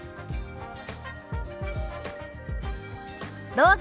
どうぞ。